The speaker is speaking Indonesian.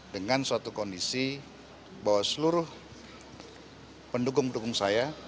dengan suatu kondisi bahwa seluruh pendukung pendukung saya